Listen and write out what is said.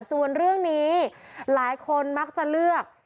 ส่วนเรื่องนี้หลายคนมักจะเลือก